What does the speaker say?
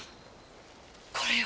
これよ。